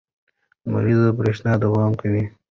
لمریزه برېښنا دوام کوي.